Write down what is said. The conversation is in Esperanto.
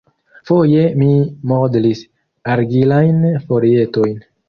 Foje mi modlis argilajn folietojn.